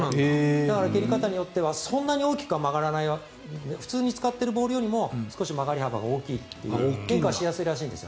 だから蹴り方によってはそんなに大きくは曲がらなくて普通に使っているボールよりも少し曲がり幅が大きい変化しやすいらしいんです。